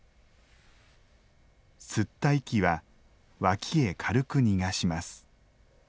吸った息は脇へ軽く逃がします。